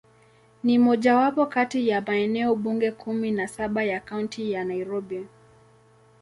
Ni mojawapo kati ya maeneo bunge kumi na saba ya Kaunti ya Nairobi.